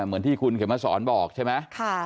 เหมือนที่คุณเข็มมาสอนบอกใช่ไหม